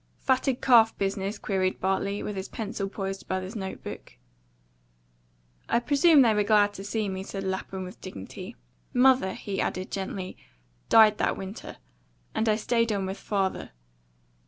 "Fatted calf business?" queried Bartley, with his pencil poised above his note book. "I presume they were glad to see me," said Lapham, with dignity. "Mother," he added gently, "died that winter, and I stayed on with father.